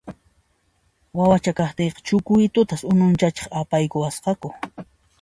Wawacha kaqtiyqa Chucuitutas bawtisachiq apayuwasqaku